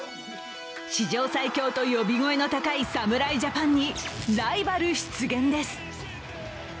史上最強と呼び声の高い侍ジャパンにライバル出現です。